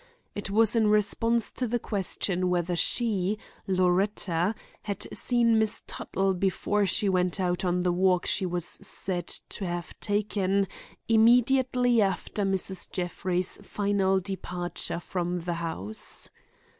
It was in response to the question whether she, Loretta, had seen Miss Tuttle before she went out on the walk she was said to have taken immediately after Mrs. Jeffrey's final departure from the house.